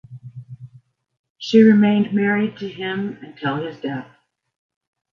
She remained married to him until his death.